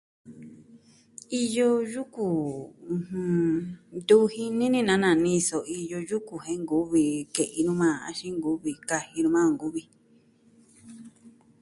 Iyo yuku ntuvi jini ni na nani ji so iyo yuku jen nkuvi ke'in nu majan. Axin nkuvi kaji nu majan, nkuvi.